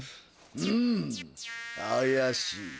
うんあやしい。